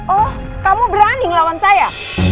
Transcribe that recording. oh kamu berani ngelawan saya